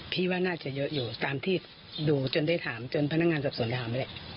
พี่ว่าน่าจะอยู่ตามที่ดูจนได้ถามจนพนักงานสับสนถามเลย